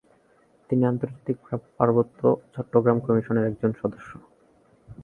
তিনি আন্তর্জাতিক পার্বত্য চট্টগ্রাম কমিশনের একজন সদস্য।